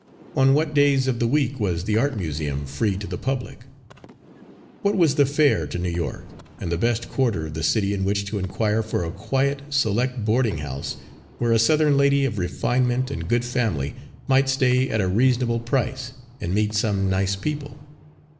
On what days of the week was the Art Museum free to the public? What was the fare to New York, and the best quarter of the city in which to inquire for a quiet, select boarding house where a Southern lady of refinement and good family might stay at a reasonable price, and meet some nice people?